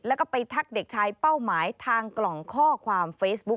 แล้วก็ไปทักเด็กชายเป้าหมายทางกล่องข้อความเฟซบุ๊ค